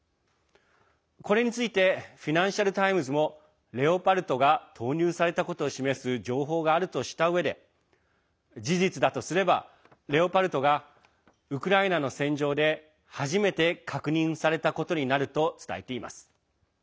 これについてフィナンシャル・タイムズもレオパルトが投入されたことを示す情報があるとしたうえで事実だとすればレオパルトがウクライナの戦場で初めて確認されたことになると伝えています。